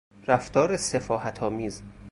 رفتار سفاهت آمیز